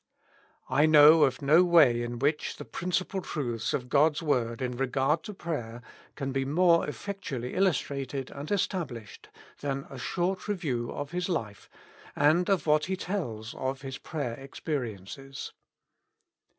I know of no way in which the principal truths of God's word in regard to prayer can be more effectually illustrated and established than a short review of his life and of what he tells of his prayer experiences.